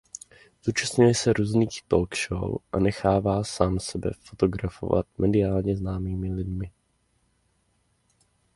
Zúčastňuje se různých talk show a nechává sám sebe fotografovat mediálně známými lidmi.